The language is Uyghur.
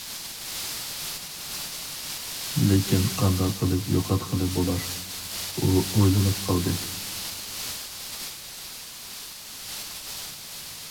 لېكىن قانداق قىلىپ يوقاتقىلى بولار؟ ئۇ ئويلىنىپ قالدى.